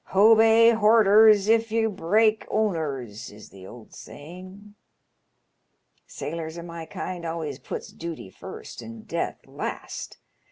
' Hobey borders if yer break owners,' is the old saying. Sailors o' my kind. always puts dooty first and death last.